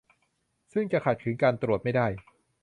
ซึ่งจะขัดขืนการตรวจไม่ได้